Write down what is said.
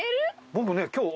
僕ね今日。